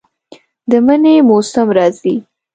د منی موسم راځي